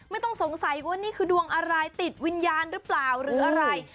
ไม่ต้องสงสัยว่านี่คือดวงอะไรติดวิญญาณหรือเปล่าหรืออะไร